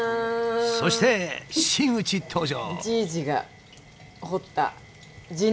そして真打ち登場！